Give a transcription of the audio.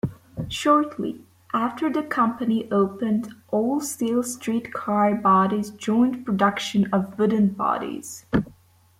Shortly after the company opened, all-steel streetcar bodies joined production of wooden bodies.